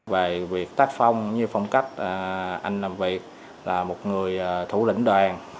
về việc tác phong như phong cách anh làm việc là một người thủ lĩnh đoàn